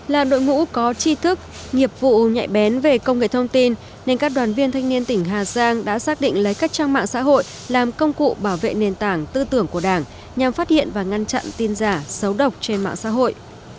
là đội ngũ có chi thức nghiệp vụ nhạy bén về công nghệ thông tin nên các đoàn viên thanh niên tỉnh hà giang đã xác định lấy các trang mạng xã hội làm công cụ bảo vệ nền tảng tư tưởng của đảng nhằm phát hiện và ngăn chặn tin giả xấu độc trên mạng xã hội